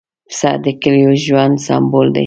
پسه د کلیو ژوند سمبول دی.